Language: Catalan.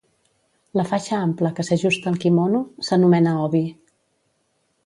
La faixa ampla que s'ajusta al quimono s'anomena obi.